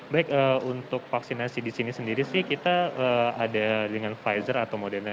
baik untuk vaksinasi di sini sendiri sih kita ada dengan pfizer atau moderna